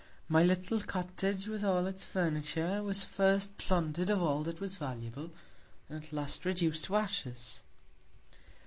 My little Cottage, with all its Furniture, was first plunder'd of all that was valuable, and at last reduc'd to Ashes.